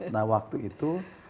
nah waktu itu